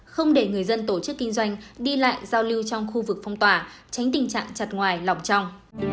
không để người dân tổ chức kinh doanh đi lại giao lưu trong khu vực phong tỏa tránh tình trạng chặt ngoài lỏng trong